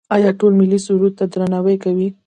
آیا ټول ملي سرود ته درناوی کوي؟